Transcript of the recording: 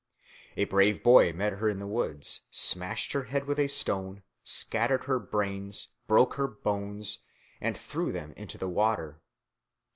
A brave boy met her in the woods, smashed her head with a stone, scattered her brains, broke her bones, and threw them into the water.